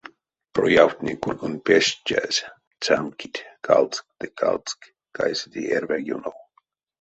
Проявтне кургонь пештязь цямкить, калск ды калск кайсети эрьва ёнов.